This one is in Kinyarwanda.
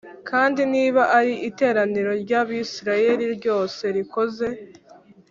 Kandi niba ari iteraniro ry Abisirayeli ryose rikoze